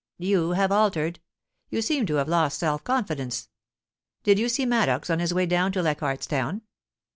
You have altered ; you seem to have lost self confidence. Did you see Maddox on his way down to Leichardt's Town